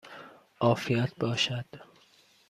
عافیت باشد!